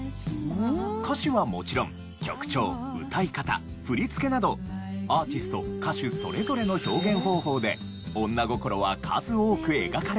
歌詞はもちろん曲調歌い方振り付けなどアーティスト・歌手それぞれの表現方法で女心は数多く描かれてきました。